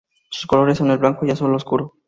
Sus colores son el blanco y azul oscuro.